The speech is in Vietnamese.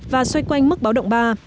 và xoay quanh mức báo động ba